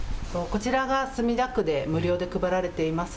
こちらが墨田区で無料で配られています